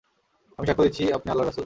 আমি সাক্ষ্য দিচ্ছি, আপনি আল্লাহর রাসূল।